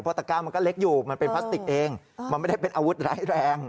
ตะก้ามันก็เล็กอยู่มันเป็นพลาสติกเองมันไม่ได้เป็นอาวุธร้ายแรง